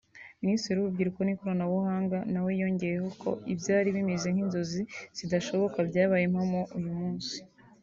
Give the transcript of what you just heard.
Minisitiri w’Urubyiruko n’Ikoranabuhanga na we yongeyeho ko ibyari bimeze nk’inzozi zidashoboka byabaye impamo uyu munsi